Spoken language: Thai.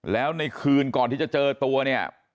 แล้วในคืนก่อนที่จะเจอตัวเนี่ย